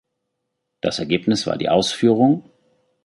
Das Ergebnis war die „Ausf.